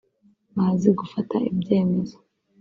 bazi gufata ibyemezo